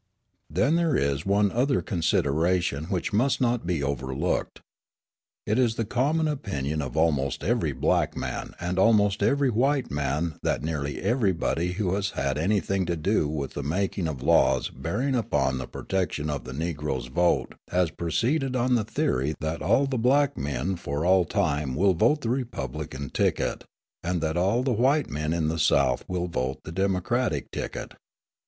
Then there is one other consideration which must not be overlooked. It is the common opinion of almost every black man and almost every white man that nearly everybody who has had anything to do with the making of laws bearing upon the protection of the Negro's vote has proceeded on the theory that all the black men for all time will vote the Republican ticket and that all the white men in the South will vote the Democratic ticket.